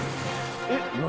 えっ何？